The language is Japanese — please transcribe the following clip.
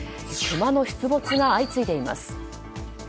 クマの出没が相次いでいます。